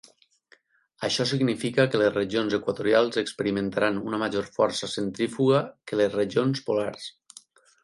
Això significa que les regions equatorials experimentaran una major força centrífuga que les regions polars.